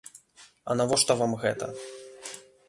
А навошта вам гэта?